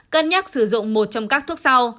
cân nhắc sử dụng một trong các thuốc sau